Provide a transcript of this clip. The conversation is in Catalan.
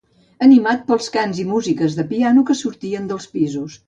Animat per cants i músiques de piano que sortien dels pisos